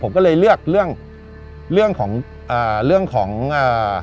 ผมก็เลยเลือกเรื่องของอ่าเรื่องของอ่า